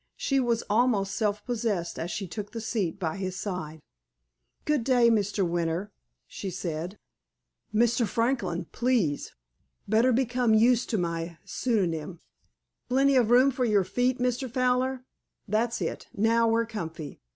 She was almost self possessed as she took the seat by his side. "Good day, Mr. Winter," she said. "Mr. Franklin, please. Better become used to my pseudonym.... Plenty of room for your feet, Mr. Fowler? That's it. Now we're comfy.